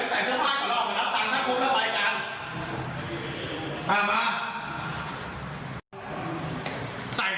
ใส่ซื่อการว่าง